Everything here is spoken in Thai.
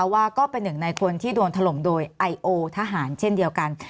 ว่าก็เป็นหนึ่งในคนที่โดนถล่มโดยไอโอทหารเช่นเดียวกัน